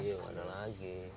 iya gak ada lagi